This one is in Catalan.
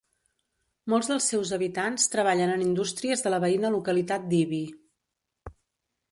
Molts dels seus habitants treballen en indústries de la veïna localitat d'Ibi.